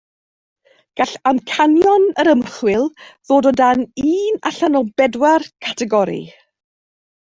Gall amcanion yr ymchwil ddod o dan un allan o bedwar categori